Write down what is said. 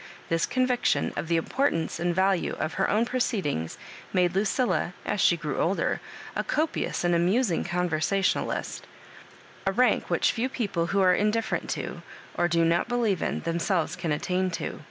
This conviction of the importance and value of her own proceedings made Lucilla, as she grew older, a copious and amusing con versationalist ; a rank which few people who are indifferent to, or do not believe in, themselves can attain to.